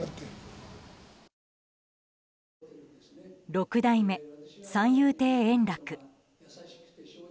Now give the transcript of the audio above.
六代目三遊亭円楽。